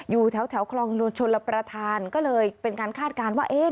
อยู่แถวคลองชนรับประทานก็เลยเป็นการคาดการณ์ว่าเอ๊ะ